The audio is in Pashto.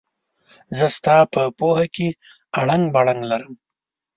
زه ستا په پوهه کې اړنګ بړنګ لرم.